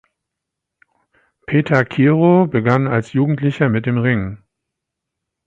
Petar Kirow begann als Jugendlicher mit dem Ringen.